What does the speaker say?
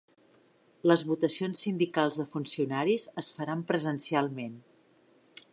Les votacions sindicals de funcionaris es faran presencialment